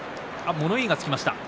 物言いがつきました。